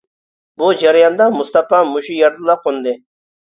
بۇ جەرياندا مۇستاپا مۇشۇ يەردىلا قوندى.